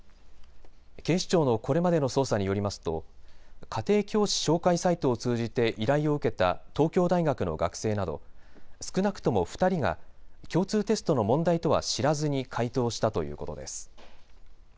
警視庁のこれまでの捜査によりますと家庭教師紹介サイトを通じて依頼を受けた東京大学の学生など少なくとも２人が共通テストの問題とは知らずに解答したということです。